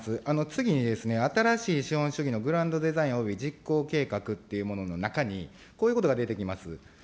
次にですね、新しい資本主義のグランドデザインおよび実行計画というものの中に、こういうことが出てきます。